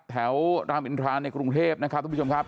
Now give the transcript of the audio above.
แถวรามอินทราณในกรุงเทพฯทุกผู้ชมครับ